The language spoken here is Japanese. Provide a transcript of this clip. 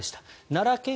奈良県